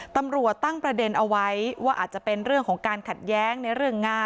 ตำรวจตั้งประเด็นเอาไว้ว่าอาจจะเป็นเรื่องของการขัดแย้งในเรื่องงาน